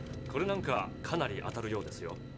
これなんか当たるようですよ。